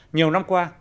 nhiều năm qua